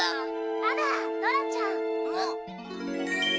あらドラちゃん。